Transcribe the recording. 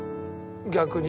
逆に。